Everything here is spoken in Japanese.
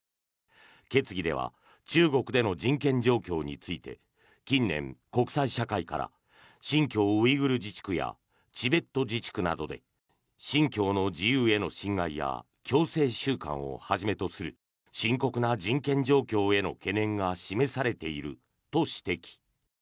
決議では中国での人権状況について近年、国際社会から新疆ウイグル自治区やチベット自治区などで信教の自由への侵害や強制収監をはじめとする深刻な人権状況への懸念が示されていると指摘。